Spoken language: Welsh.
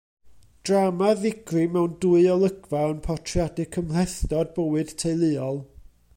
Drama ddigri mewn dwy olygfa yn portreadu cymhlethdod bywyd teuluol.